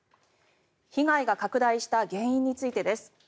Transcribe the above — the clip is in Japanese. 被害が拡大した原因についてです。